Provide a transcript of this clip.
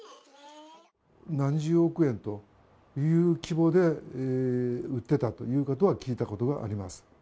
何十億円という規模で売ってたということは聞いたことがあります。